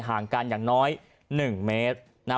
ห่างกันอย่างน้อย๑เมตร